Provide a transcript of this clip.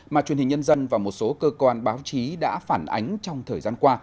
mà truyền hình nhân dân và một số cơ quan báo chí đã phản ánh trong thời gian qua